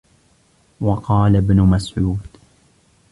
وَقَالَ ابْنُ مَسْعُودٍ